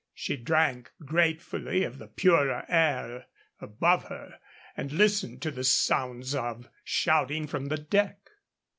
She drank gratefully of the purer air above her and listened to the sounds of shouting from the deck.